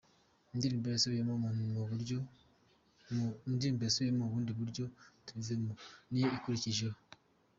Indirimbo yasubiyemo mu bundi buryo : "Tubivemo" niyo akurikijeho.